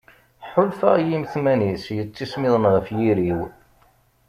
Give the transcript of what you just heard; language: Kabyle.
Ḥulfaɣ i yimetman-is yettismiḍen ɣef yiri-w.